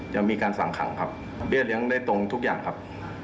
ยังมีการสั่งขังครับเบี้ยเลี้ยงได้ตรงทุกอย่างครับ